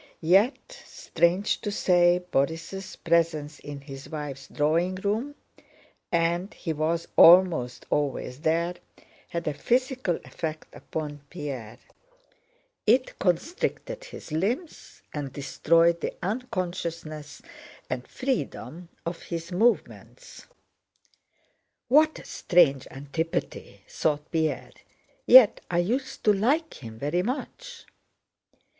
Yet strange to say Borís' presence in his wife's drawing room (and he was almost always there) had a physical effect upon Pierre; it constricted his limbs and destroyed the unconsciousness and freedom of his movements. "What a strange antipathy," thought Pierre, "yet I used to like him very much."